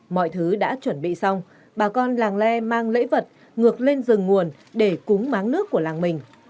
mọi thứ đã chuẩn bị xong bà con làng le mang lễ vật ngược lên rừng nguồn để cúng máng nước của làng mình